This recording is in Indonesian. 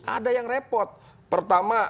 ada yang repot pertama